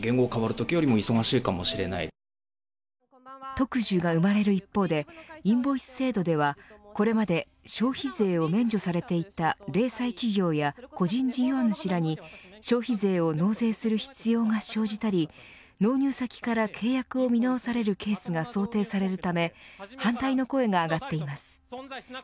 特需が生まれる一方でインボイス制度ではこれまで消費税を免除されていた零細企業や個人事業主らに消費税を納税する必要が生じたり納入先から契約を見直されるケースが想定されるため反対の声が上がっています。